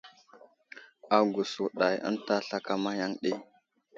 Agùs wùdày ənta slakama yaŋ ɗi.